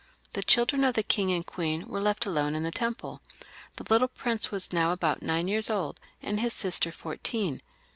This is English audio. The children of the king and queen were left alone in the Temple ; the little prince was now about nine years old and his sister fourteen.